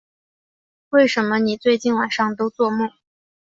为什么你最近晚上都作梦